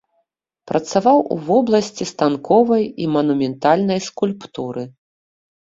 Працаваў у вобласці станковай і манументальнай скульптуры.